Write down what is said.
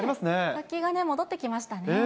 活気が戻ってきましたね。